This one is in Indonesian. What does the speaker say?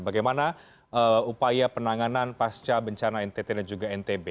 bagaimana upaya penanganan pasca bencana ntt dan juga ntb